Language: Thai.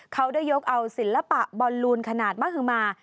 เขาได้ยกเอาศิลปะบอลลูนขนาดมหมา